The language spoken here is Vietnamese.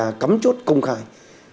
và tuần tra cấm chốt công khai